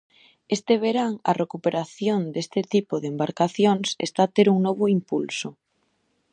Este verán, a recuperación deste tipo de embarcacións está a ter un novo impulso.